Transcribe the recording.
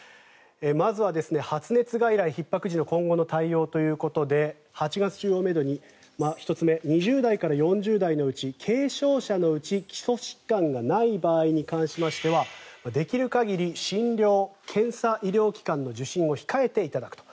まずは発熱外来、ひっ迫時の今後の対応ということで８月中をめどに、１つ目２０代から４０代のうち軽症者のうち基礎疾患がない場合に関しましてはできる限り診療・検査医療機関の受診を控えていただくと。